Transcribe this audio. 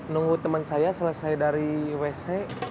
nunggu teman saya selesai dari wc